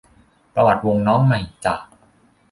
ประวัติวงน้องใหม่จาก